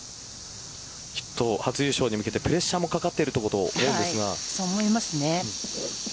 きっと初優勝に向けてプレッシャーもかかっていると思います。